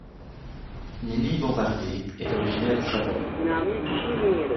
Nini Bombardier est originaire de Savoie.